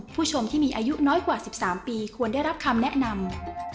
ผู้ชมที่มีอายุน้อยกว่า๑๓ปีควรได้รับคำแนะนำ